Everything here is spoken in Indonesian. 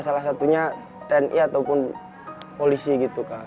salah satunya tni ataupun polisi gitu kak